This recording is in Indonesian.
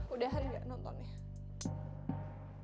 udah hari nggak nonton ya